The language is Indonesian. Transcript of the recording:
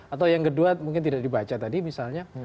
atau yang kedua mungkin tidak dibaca tadi misalnya